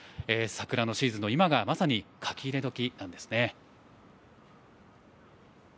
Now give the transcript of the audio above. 桜のシーズンの今がまさに書き入れ時なんですね。